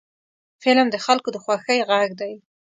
فلم د خلکو د خوښۍ غږ دی